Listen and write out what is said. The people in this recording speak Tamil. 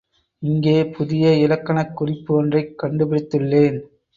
இங்கே புதிய இலக்கணக் குறிப்பு ஒன்றைக் கண்டுபிடித்துள்ளேன்.